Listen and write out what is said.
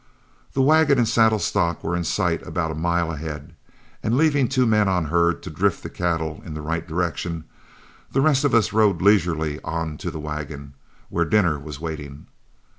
The wagon and saddle stock were in sight about a mile ahead, and leaving two men on herd to drift the cattle in the right direction, the rest of us rode leisurely on to the wagon, where dinner was waiting.